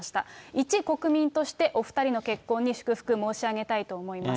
一国民として、お２人の結婚に祝福申し上げたいと思います。